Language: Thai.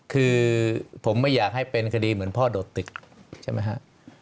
คือผมไม่อยากให้เป็นคดีเหมือนพ่อโดดตึกใช่ไหมฮะ